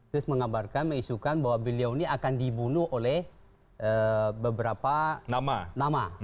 terus mengabarkan mengisukan bahwa beliau ini akan dibunuh oleh beberapa nama